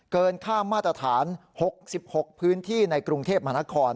เกินค่ามาตรฐาน๖๖พื้นที่ในกรุงเทพมหานคร